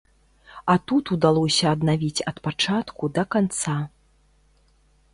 А тут удалося аднавіць ад пачатку да канца.